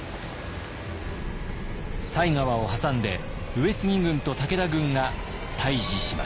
犀川を挟んで上杉軍と武田軍が対峙しました。